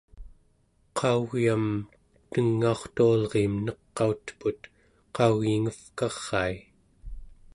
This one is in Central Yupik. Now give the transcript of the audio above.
qau͡gyam tengaurtualriim neqauteput qau͡gyingevkarai